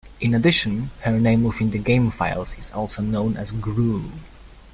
In addition, her name within the game files is also known as "Grue".